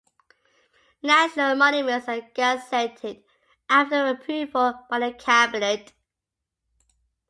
National Monuments are gazetted after approval by the cabinet.